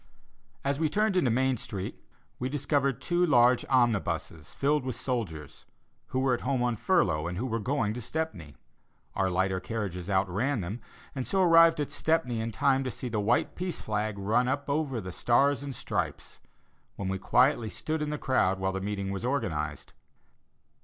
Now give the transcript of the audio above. As we turned into Main Street, we discovered two large omnibuses filled with soldiers, who were at home on furlough, and who were going to Stepney. Our lighter carriages outran them, and so arrived at Stepney in time to see the white peace flag run up over the stars and stripes, when we quietly stood in the crowd while the meeting was organized.